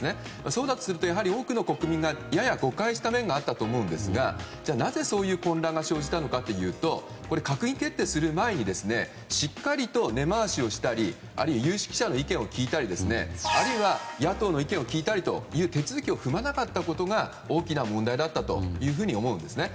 そうだとするとやはり多くの国民がやや誤解した面があったと思うんですがじゃあなぜ、そういう混乱が生じたのかというと閣議決定する前にしっかりと根回しをしたりあるいは有識者の意見を聞いたりあるいは野党の意見を聞いたりという手続きを踏まなかったことが大きな問題だったと思うんですね。